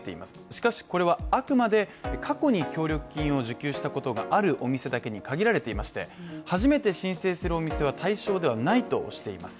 しかし、これはあくまで過去に協力金を受給したことがあるお店だけに限られていまして、初めて申請するお店は対象ではないとしています。